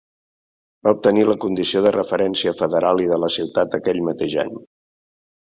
Va obtenir la condició de referència federal i de la ciutat aquell mateix any.